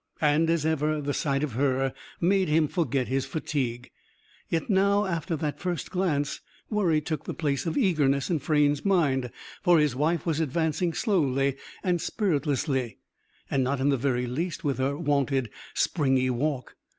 And, as ever, the sight of her made him forget his fatigue. Yet, now, after that first glance, worry took the place of eagerness, in Frayne's mind. For his wife was advancing slowly and spiritlessly; and not in the very least with her wonted springy walk.